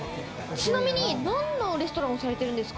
ちなみに何のレストランをされてるんですか？